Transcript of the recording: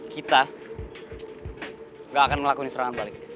kita ga akan ngelakuin serangan balik